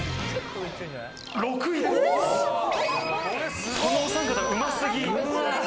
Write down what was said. このお三方、うますぎ。